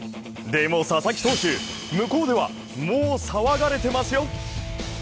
でも、佐々木投手、向こうではもう騒がれていますよ。